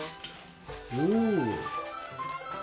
おお！